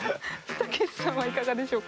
たけしさんはいかがでしょうか？